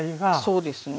そうですね。